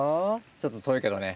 ちょっと遠いけどね。